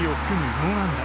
４安打。